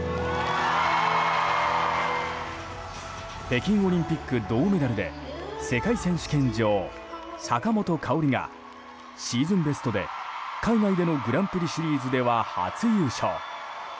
北京オリンピック銅メダルで世界選手権女王、坂本花織がシーズンベストで海外でのグランプリシリーズでは初優勝。